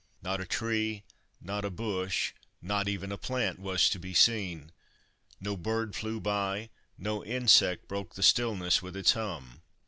Not a tree, not a bush, not even a plant, was to be seen. No bird flew by, no insect broke the stillness with its hum.